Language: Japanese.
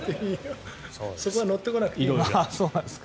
そこは乗ってこなくていいよ。